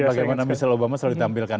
bagaimana michelle obama selalu ditampilkan